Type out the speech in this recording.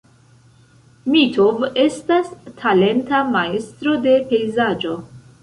Mitov estas talenta majstro de pejzaĝo.